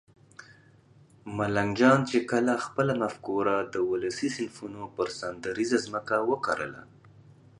ملنګ جان چې کله خپله مفکوره د ولسي صنفونو پر سندریزه ځمکه وکرله